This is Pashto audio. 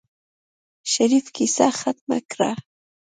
شريف کيسه ختمه کړه.